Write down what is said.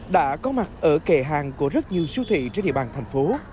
đã có mặt ở kề hàng của rất nhiều siêu thị trên địa bàn thành phố